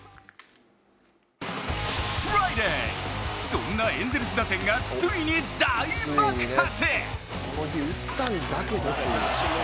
そんなエンゼルス打線がついに大爆発！